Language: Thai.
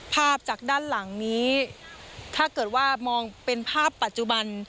ภาพจากด้านหลังนี้ถ้าเกิดว่ามองเป็นภาพปัจจุบัน